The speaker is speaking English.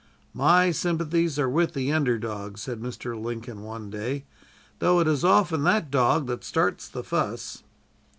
"My sympathies are with the under dog," said Mr. Lincoln, one day, "though it is often that dog that starts the fuss."